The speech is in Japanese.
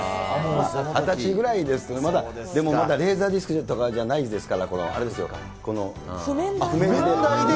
２０歳ぐらいですと、まだ、でもまだレーザーディスクとかじゃない時代ですから、これ、あれでしょうか、この譜面台で。